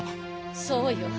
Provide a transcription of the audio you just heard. そうよ